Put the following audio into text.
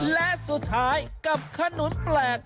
และสุดท้ายกับขนุนแปลก